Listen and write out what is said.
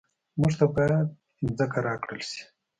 موږ ته باید ځمکه راکړل شي